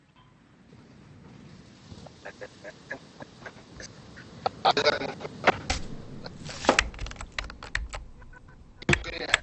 Keane never played in the Major Leagues.